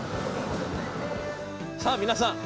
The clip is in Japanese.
さあ皆さん